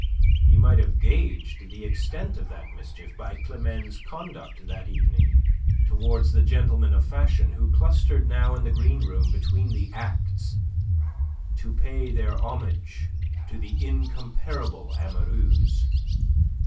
He might have gauged the extent of that mischief by Climene's conduct that evening towards the gentlemen of fashion who clustered now in the green room between the acts to pay their homage to the incomparable amoureuse.